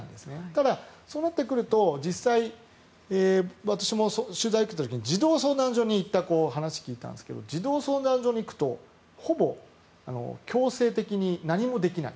ただ、そうなってくると実際、私も取材に行った時に児童相談所に行った子の話を聞いたんですけど児童相談所に行くとほぼ強制的に何もできない。